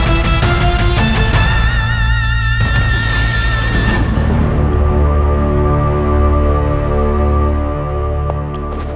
tidak ada alasan